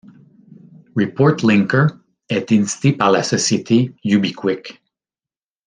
ReportLinker est édité par la société Ubiquick.